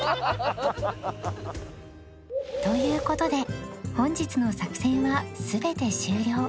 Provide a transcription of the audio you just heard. という事で本日の作戦は全て終了